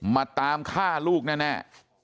มาตามฆ่าลูกแน่